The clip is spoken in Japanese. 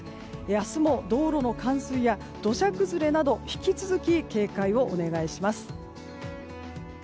明日も道路の冠水や土砂崩れなど引き続き、警戒をお願いします。